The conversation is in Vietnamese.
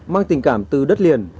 mang tình cảm từ đất liền